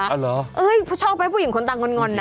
อ่าเหรอชอบไปผู้หญิงคนต่างคนง่อนน่ะ